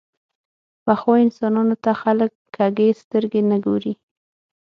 پخو انسانانو ته خلک کږې سترګې نه ګوري